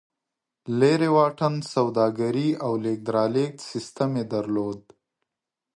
لرې واټن سوداګري او لېږد رالېږد سیستم یې درلود.